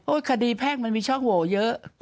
คดีแพ่งมันมีช่องโหวเยอะ